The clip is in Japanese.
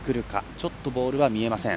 ちょっとボールは見えません。